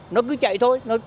nó cứ chạy thôi